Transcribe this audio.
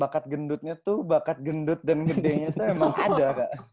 bakat gendutnya tuh bakat gendut dan gedenya tuh emang ada